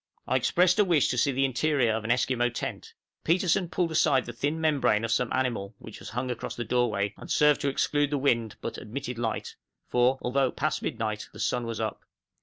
I expressed a wish to see the interior of an Esquimaux tent. Petersen pulled aside the thin membrane of some animal, which hung across the doorway, and served to exclude the wind, but admitted light, for, although past midnight, the sun was up.